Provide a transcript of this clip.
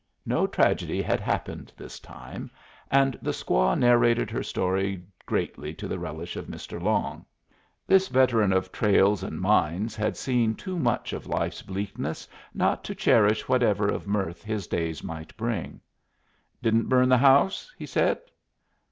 No tragedy had happened this time, and the squaw narrated her story greatly to the relish of Mr. Long. This veteran of trails and mines had seen too much of life's bleakness not to cherish whatever of mirth his days might bring. "Didn't burn the house?" he said.